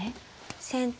先手